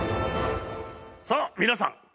さあ皆さん